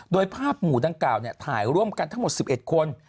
โดยภาพหมู่ดังกล่าวถ่ายร่วมกันทั้งหมด๑๑คน